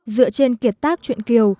dựa trên kiệt tác chuyện kiều